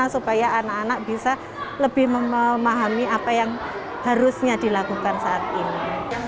supaya anak anak bisa lebih memahami apa yang harusnya dilakukan saat ini